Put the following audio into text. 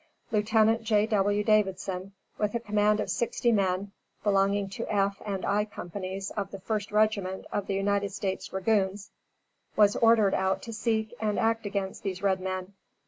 Lieutenant J.W. Davidson, with a command of sixty men belonging to F and I companies of the 1st Regiment of United States dragoons, was ordered out to seek and act against these red men.